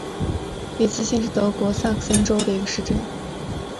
里茨兴是德国萨克森州的一个市镇。